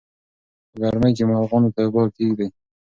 په ګرمۍ کې مارغانو ته اوبه کېږدئ.